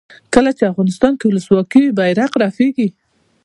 کله چې افغانستان کې ولسواکي وي بیرغ رپیږي.